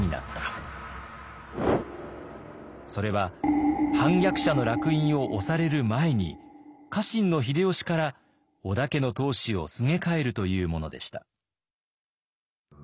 それは反逆者のらく印を押される前に家臣の秀吉から織田家の当主をすげ替えるというものでした。